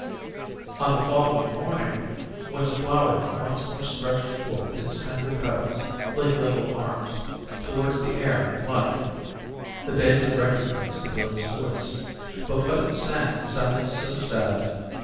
On the following morning, when the flower once more stretched forth its tender petals, like little arms, towards the air and light, the daisy recognised the bird's voice, but what it sang sounded so sad.